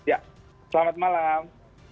ya selamat malam